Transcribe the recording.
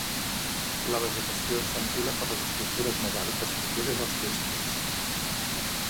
La vegetació s'enfila per les estructures metàl·liques properes als testos.